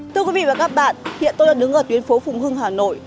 thưa quý vị và các bạn hiện tôi đang đứng ở tuyến phố phùng hưng hà nội